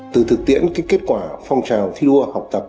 từ thực tiễn kết quả phong trào thi đua học tập